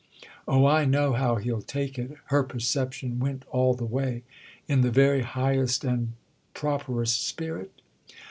"Oh, I know how he'll take it!"—her perception went all the way. "In the very highest and properest spirit?"